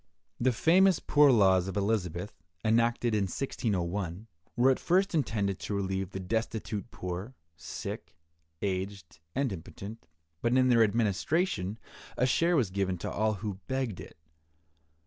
The famous poor laws of Elizabeth, enacted in 1601, were at first intended to relieve the destitute poor, sick, aged, and impotent, but in their administration a share was given to all who begged it.